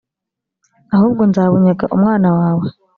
ahubwo nzabunyaga umwana wawe